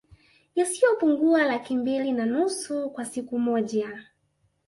Yasiyopungua Laki mbili na nusu kwa siku moja